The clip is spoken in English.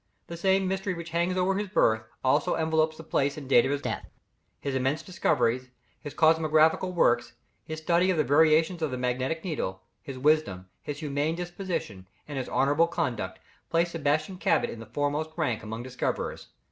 The same mystery which hangs over his birth, also envelopes the place and date of his death. His immense discoveries, his cosmographical works, his study of the variations of the magnetic needle, his wisdom, his humane disposition, and his honourable conduct, place Sebastian Cabot in the foremost rank among discoverers.